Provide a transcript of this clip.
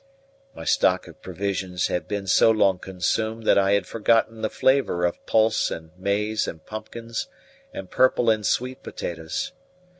My stock of provisions had been so long consumed that I had forgotten the flavour of pulse and maize and pumpkins and purple and sweet potatoes.